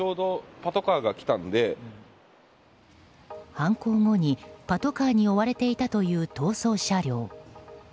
犯行後に、パトカーに追われていたという逃走車両。